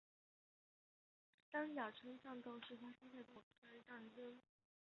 三甲村战斗是发生在中国抗日战争百团大战期间涞灵战役中的一次战斗。